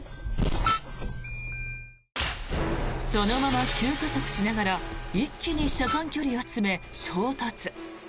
そのまま急加速しながら一気に車間距離を詰め、衝突。